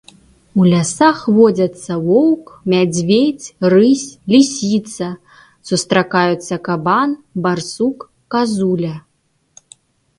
У лясах водзяцца воўк, мядзведзь, рысь, лісіца, сустракаюцца кабан, барсук, казуля.